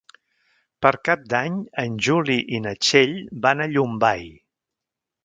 Per Cap d'Any en Juli i na Txell van a Llombai.